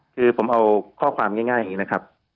คือผมเอาข้อความง่ายอย่างนี้นะครับ